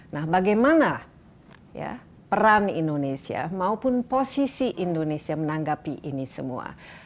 nah bagaimana peran indonesia maupun posisi indonesia menanggapi ini semua